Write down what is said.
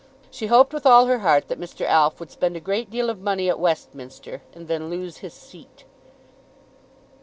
She hoped with all her heart that Mr. Alf would spend a great deal of money at Westminster, and then lose his seat.